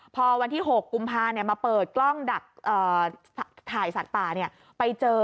พอวันที่๖กุมภามาเปิดกล้องดักถ่ายสัตว์ป่าไปเจอ